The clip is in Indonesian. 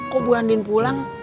kok bu andien pulang